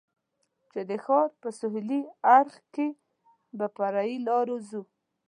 چې د ښار په سهېلي اړخ کې به پر فرعي لارو ځو.